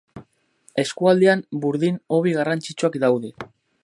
Eskualdean burdin hobi garrantzitsuak daude.